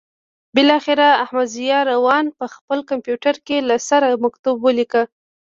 بالاخره احمدضیاء روان په خپل کمپیوټر کې له سره مکتوب ولیکه.